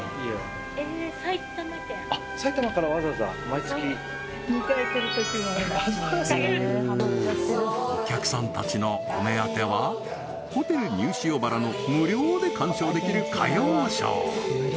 埼玉からわざわざ毎月そうそうなんですかホテルニュー塩原の無料で鑑賞できる歌謡ショー